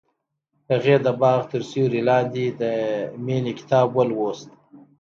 هغې د باغ تر سیوري لاندې د مینې کتاب ولوست.